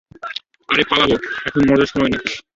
আরে পালবো, এখন মজার সময় না।